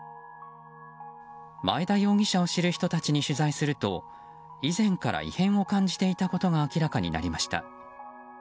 前田容疑者を知る人たちに取材すると以前から異変を感じていたことが明らかになりました。